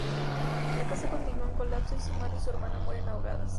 La casa continúa en colapso, y su madre y su hermana mueren ahogadas.